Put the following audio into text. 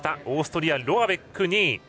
オーストリア、ロアベックが２位。